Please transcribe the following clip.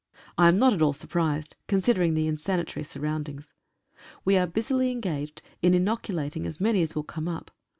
I am not at all surprised, con sidering the insanitary surroundings. We are busily engaged in inoculating as many as will come up.